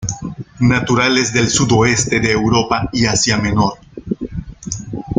Naturales del sudoeste de Europa y Asia Menor.